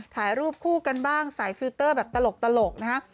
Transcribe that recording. ถ่ายรูปคู่กันบ้างใส่ฟิลเตอร์แบบตลกนะฮะ